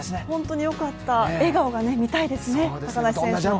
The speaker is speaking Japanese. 本当によかった、笑顔が見たいですね、高梨選手の。